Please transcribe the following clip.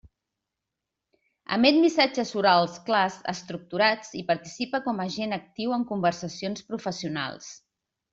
Emet missatges orals clars estructurats, i participa com a agent actiu en conversacions professionals.